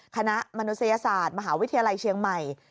มนุษยศาสตร์มหาวิทยาลัยเชียงใหม่